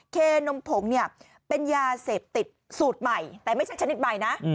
เคนมผงเนี่ยเป็นยาเสพติดสูตรใหม่แต่ไม่ใช่ชนิดใบนะ